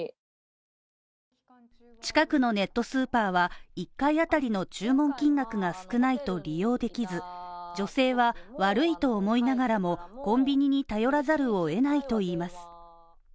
期間中は近くのネットスーパーは１回あたりの注文金額が少ないと利用できず、女性は悪いと思いながらも、コンビニに頼らざるを得ないと言います。